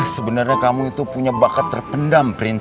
sebenernya kamu itu punya bakat terpendam prince